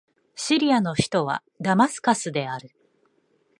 シリアの首都はダマスカスである